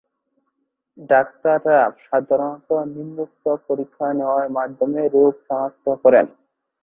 ডাক্তাররা সাধারণত নিম্নোক্ত পরীক্ষা নেওয়ার মাধ্যমে রোগ শনাক্ত করেন।